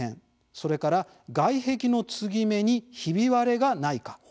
それから外壁の継ぎ目にひび割れがないか。